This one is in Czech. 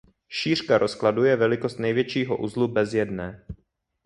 Šířka rozkladu je velikost největšího uzlu bez jedné.